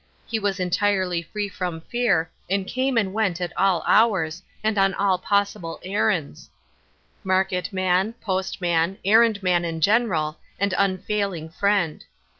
He was entirely free from fear, and came and went at all hours, and on all possible errands — market man, post man, errand man in general, and unfailing friend.